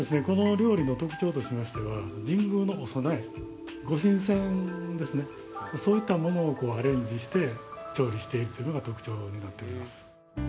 この料理の特徴としましては神宮のお供え御神饌ですねそういったものをアレンジして調理しているというのが特徴になっております